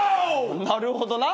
なるほどな。